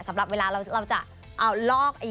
สำหรับเวลาเราจะเอาลอก